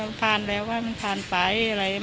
มีติดสวนผลได้ไหม